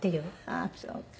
ああーそうか。